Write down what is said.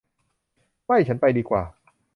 ไม่ ฉันไปดีกว่า